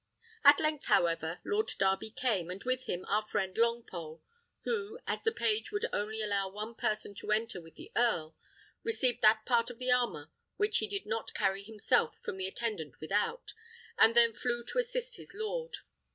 At length, however, Lord Darby came, and with him our friend Longpole, who, as the page would only allow one person to enter with the earl, received that part of the armour which he did not carry himself from the attendant without, and then flew to assist his lord.